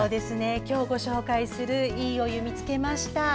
今日ご紹介する「＃いいお湯見つけました」。